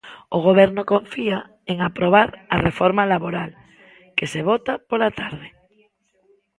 O Goberno confía en aprobar a reforma laboral, que se vota pola tarde.